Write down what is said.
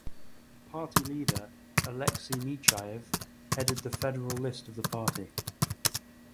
Party leader Alexey Nechaev headed the federal list of the party.